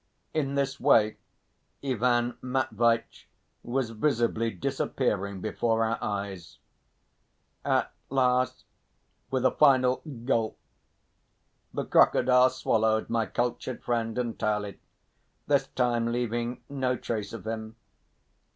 In this way Ivan Matveitch was visibly disappearing before our eyes. At last, with a final gulp, the crocodile swallowed my cultured friend entirely, this time leaving no trace of him.